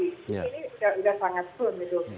ini sudah sangat pun gitu